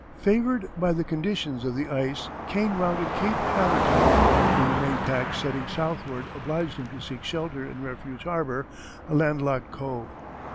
Favored by the conditions of the ice Kane rounded Cape Hatherton, when the main pack setting southward obliged him to seek shelter in Refuge Harbor, a land locked cove.